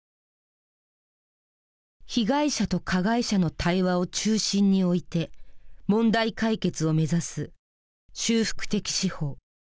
被害者と加害者の対話を中心に置いて問題解決を目指す修復的司法。